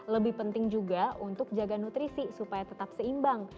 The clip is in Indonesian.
lebih penting juga untuk jaga nutrisi supaya tetap seimbang